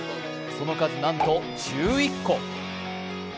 その数なんと１１個。